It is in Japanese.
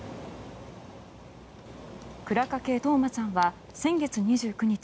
倉掛冬生ちゃんは先月２９日